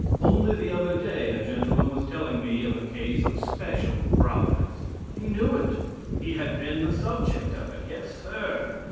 Only the other day a gentleman was telling me of a case of special providence. He knew it. He had been the subject of it. Yes, sir!